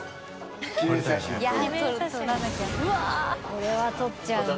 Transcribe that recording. これは撮っちゃうな。